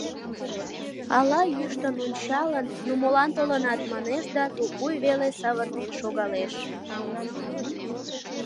Ала, йӱштын ончалын, «ну, молан толынат?» манеш да тупуй веле савырнен шогалеш.